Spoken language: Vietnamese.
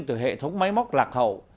từ hệ thống máy móc lạc hậu